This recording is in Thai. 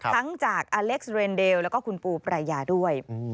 ทั้งจากอเล็กซ์เรนเดลแล้วก็คุณปูปรายาด้วย